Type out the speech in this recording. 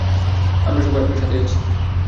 আমরা সবাই আপনার সাথেই আছি।